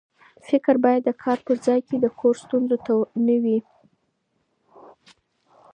فکر باید د کار په ځای کې د کور ستونزو ته نه وي.